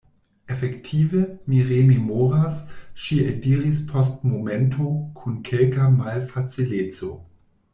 Efektive, mi rememoras, ŝi eldiris post momento kun kelka malfacileco.